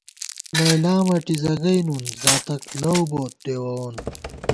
لیلی مٹیزہ گئ نُون، زاتک لؤ بوت ڈېوَوون